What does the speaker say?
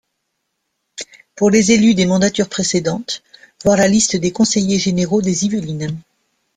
Pour les élus des mandatures précédentes, voir la liste des conseillers généraux des Yvelines.